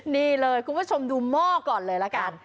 นี่เลยคุณผู้ชมดูหม้อก่อนเลยละกัน